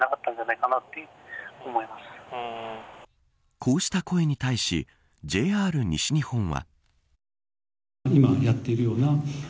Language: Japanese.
こうした声に対しＪＲ西日本は。